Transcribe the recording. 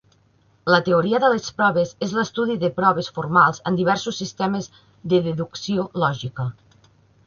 La teoria de les proves és l'estudi de proves formals en diversos sistemes de deducció lògica.